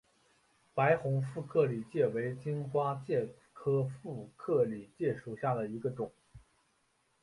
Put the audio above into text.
白虹副克里介为荆花介科副克里介属下的一个种。